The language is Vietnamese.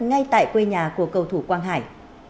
ngay tại quê nhà của cầu thủ quang hải